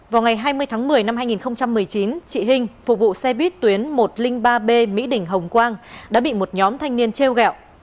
vào ngày hai mươi tháng một mươi năm hai nghìn một mươi chín chị hinh phục vụ xe buýt tuyến một trăm linh ba b mỹ đình hồng quang đã bị một nhóm thanh niên treo gẹo